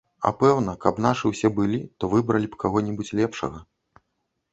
А пэўна, каб нашы ўсе былі, то выбралі б каго-небудзь лепшага.